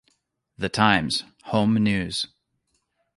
"The Times", home news.